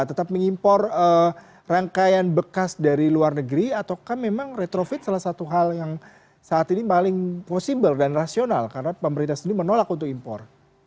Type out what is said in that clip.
tetap mengimpor rangkaian bekas dari luar negeri ataukah memang retrofit salah satu hal yang saat ini paling possible dan rasional karena pemerintah sendiri menolak untuk impor